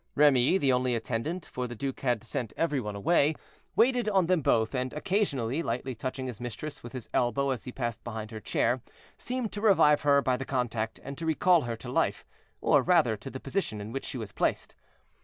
Remy, the only attendant, for the duke had sent every one away, waited on them both, and, occasionally, lightly touching his mistress with his elbow as he passed behind her chair, seemed to revive her by the contact, and to recall her to life, or rather to the position in which she was placed.